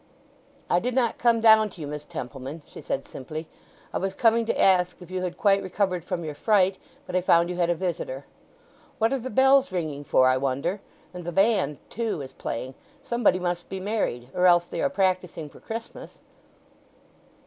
"I did not come down to you, Miss Templeman," she said simply. "I was coming to ask if you had quite recovered from your fright, but I found you had a visitor. What are the bells ringing for, I wonder? And the band, too, is playing. Somebody must be married; or else they are practising for Christmas."